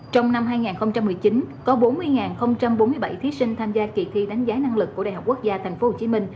trong năm hai nghìn một mươi chín có bốn mươi bốn mươi bảy thí sinh tham gia kỳ thi đánh giá năng lực của đại học quốc gia tp hcm